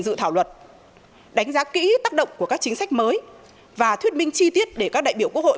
dự thảo luật đánh giá kỹ tác động của các chính sách mới và thuyết minh chi tiết để các đại biểu quốc hội